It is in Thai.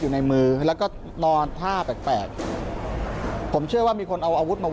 อยู่ในมือแล้วก็นอนท่าแปลกแปลกผมเชื่อว่ามีคนเอาอาวุธมา